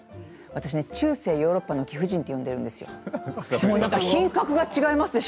私、中世のヨーロッパの貴婦人と呼んでいたんですよ